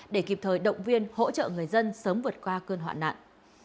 để kịp thời động viên hỗ trợ người dân sớm vượt qua cơn hoạn nạn